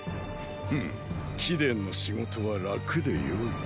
フッ貴殿の仕事は楽でよい。